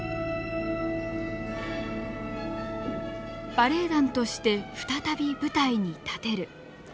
バレエ団として再び舞台に立てる。